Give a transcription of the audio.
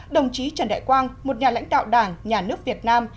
đồng chí trần đại quang một nhà lãnh đạo đảng nhà nước việt nam